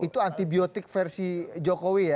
itu antibiotik versi jokowi ya